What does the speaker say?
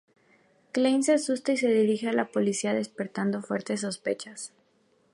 Klein se asusta y se dirige a la policía, despertando fuertes sospechas.